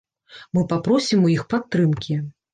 Мы папросім у іх падтрымкі.